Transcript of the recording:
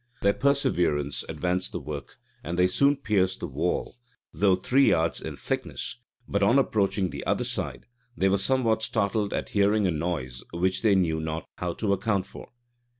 Their perseverance advanced the work; and they soon pierced the wall, though three yards in thickness; but on approaching the other side, they were somewhat startled at hearing a noise which they knew not how to account for.